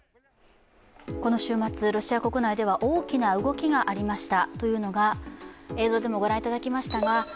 この週末、ロシア国内では大きな動きがありました。